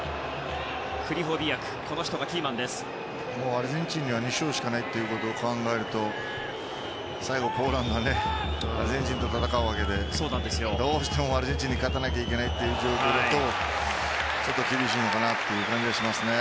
アルゼンチンには２勝しかないということを考えると最後、ポーランドはアルゼンチンと戦うわけでどうしてもアルゼンチンに勝たなきゃいけないという状況だとちょっと厳しいのかなという感じがしますね。